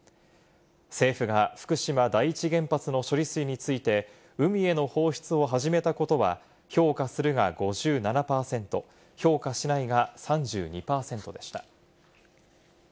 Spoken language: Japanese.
政府が福島第一原発の処理水について、海への放出を始めたことは評価するが５７％、評価しないが３２％でした。